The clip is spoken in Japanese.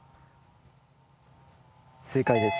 正解です。